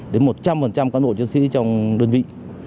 đến một trăm linh các nội chức sĩ trong đơn vị